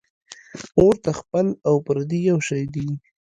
ـ اور ته خپل او پردي یو شی دی .